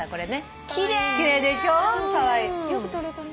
よく撮れたね。